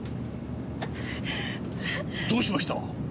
どうしました？